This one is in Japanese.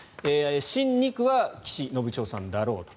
新２区は岸信千世さんだろうと。